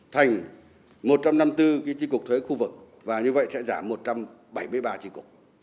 thành một trăm năm mươi bốn tri cục thuế khu vực và như vậy sẽ giảm một trăm bảy mươi ba tri cục